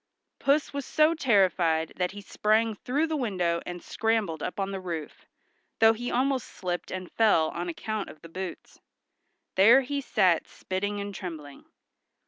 Puss was so terrified that he sprang through the window and scrambled up the roof, though he almost slipped and fell on account of the boots. There he sat spitting and trembling.